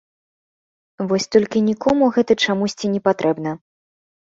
Вось толькі нікому гэта чамусьці не патрэбна.